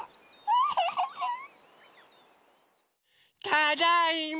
ただいま！